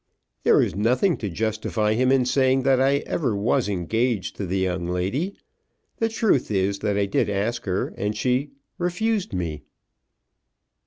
"There is nothing to justify him in saying that I was ever engaged to the young lady. The truth is that I did ask her and she, refused me."